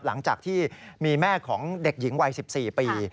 หลังจากที่มีแม่ของเด็กหญิงวัย๑๔ปี